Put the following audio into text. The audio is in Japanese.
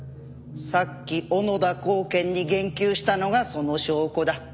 さっき小野田公顕に言及したのがその証拠だ。